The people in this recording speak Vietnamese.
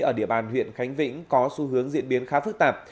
ở địa bàn huyện khánh vĩnh có xu hướng diễn biến khá phức tạp